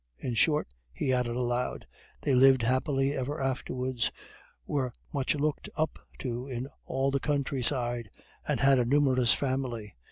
In short," he added aloud, "they lived happily ever afterwards, were much looked up to in all the countryside, and had a numerous family.